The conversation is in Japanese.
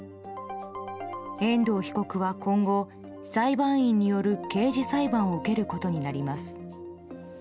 遠藤被告は今後、裁判員による刑事裁判を受けることになります。